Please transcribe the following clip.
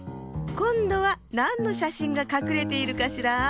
こんどはなんのしゃしんがかくれているかしら？